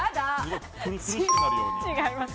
違います。